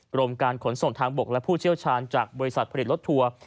กรมการขนส่งทางบกและผู้เชี่ยวชาญจากบริษัทผลิตรถทัวร์